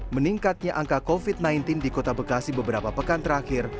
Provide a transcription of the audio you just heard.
meningkatnya angka covid sembilan belas di kota bekasi beberapa pekan terakhir